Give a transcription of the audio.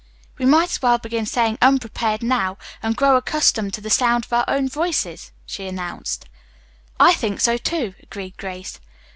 "We might as well begin saying 'unprepared' now, and grow accustomed to the sound of our own voices," she announced. "I think so, too," agreed Grace.